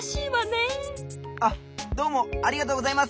あっどうもありがとうございます！